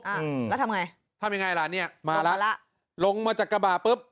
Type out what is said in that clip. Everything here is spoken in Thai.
อืมแล้วทำไงทำยังไงล่ะเนี่ยมาแล้วลงมาจากกระบะปุ๊บ